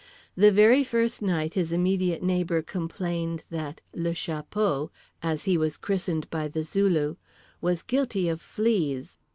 The very first night his immediate neighbour complained that "Le Chapeau" (as he was christened by The Zulu) was guilty of fleas.